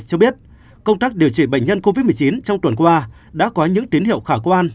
cho biết công tác điều trị bệnh nhân covid một mươi chín trong tuần qua đã có những tín hiệu khả quan